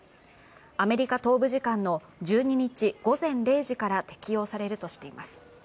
アメリカ東部時間の１２日午前０時から適用されるとしています。